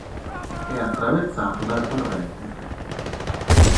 È attraversato dal torrente Re.